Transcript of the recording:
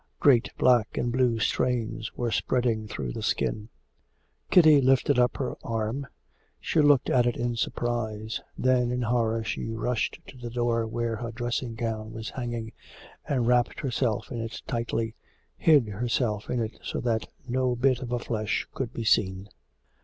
Great black and blue stains were spreading through the skin. Kitty lifted up her arm; she looked at it in surprise; then in horror she rushed to the door where her dressing gown was hanging, and wrapped herself in it tightly, hid herself in it so that no bit of her flesh could be seen.